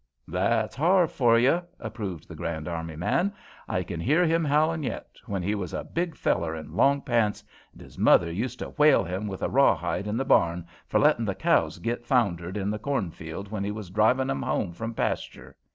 '" "That's Harve for you," approved the Grand Army man. "I kin hear him howlin' yet, when he was a big feller in long pants and his mother used to whale him with a rawhide in the barn for lettin' the cows git foundered in the cornfield when he was drivin' 'em home from pasture.